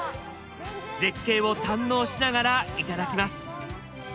絶景を堪能しながら頂きます。